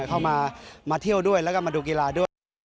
เข้ามาเที่ยวด้วยแล้วก็มาดูกีฬาด้วย